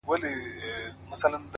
پر کومي لوري حرکت وو حوا څه ډول وه!